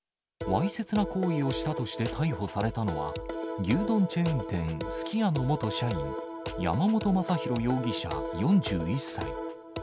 わいせつな行為をしたとして逮捕されたのは、牛丼チェーン店、すき家の元社員、山本将寛容疑者４１歳。